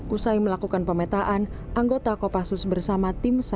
usai melakukan pemetaan anggota kopassus bersama tim sar melakukan pemetaan